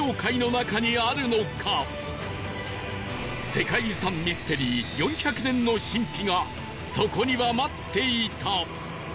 世界遺産ミステリー４００年の神秘がそこには待っていた